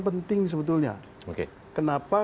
penting sebetulnya kenapa